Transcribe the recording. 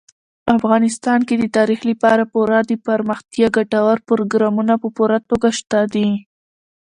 افغانستان کې د تاریخ لپاره پوره دپرمختیا ګټور پروګرامونه په پوره توګه شته دي.